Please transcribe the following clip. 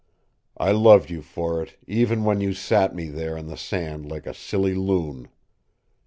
I loved you for it, even when you sat me there on the sand like a silly loon.